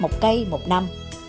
một cây một năm